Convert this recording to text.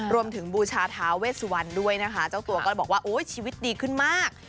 บูชาท้าเวสวันด้วยนะคะเจ้าตัวก็บอกว่าโอ้ยชีวิตดีขึ้นมาก